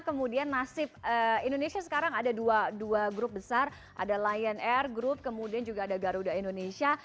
kemudian nasib indonesia sekarang ada dua grup besar ada lion air group kemudian juga ada garuda indonesia